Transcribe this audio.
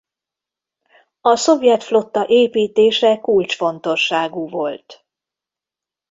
A szovjet flotta építése kulcsfontosságú volt.